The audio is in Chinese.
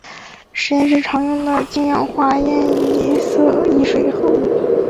实验室常用的是氢氧化铯一水合物。